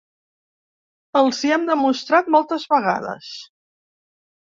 Els hi hem demostrat moltes vegades.